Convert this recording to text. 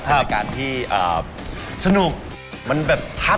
เป็นรายการที่สนุกมันแบบทัด